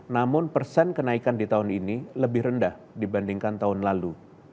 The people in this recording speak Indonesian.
namun persen kenaikan di tahun ini lebih rendah dibandingkan tahun lalu